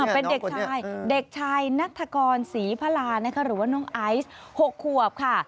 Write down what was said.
เป็นเด็กชายนักฐกรศรีพลาหรือว่าน้องไอซ์๖ขวบค่ะ